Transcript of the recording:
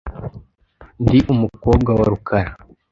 Ndi umukobwa wa rukara .